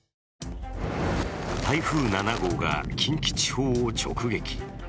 台風７号が近畿地方を直撃。